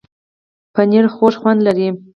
پنېر خوږ خوند لري.